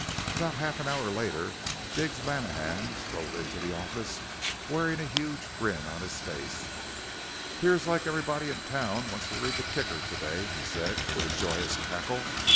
About half an hour later Jiggs Lenehan strolled into the office wearing a huge grin on his face. "'Pears like everybody in town wants to read the Kicker to day," he said with a joyous cackle.